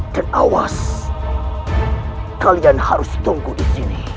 dan awas kalian harus tunggu di sini